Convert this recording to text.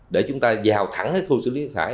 để chúng ta vào thẳng khu xử lý thải